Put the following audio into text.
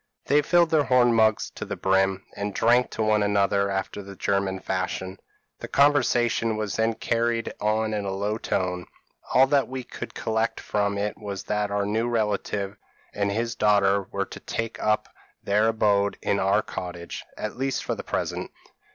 p> "They filled their horn mugs to the brim, and drank to one another after the German fashion. The conversation was then carried on in a low tone; all that we could collect from it was that our new relative and his daughter were to take up their abode in our cottage, at least for the present.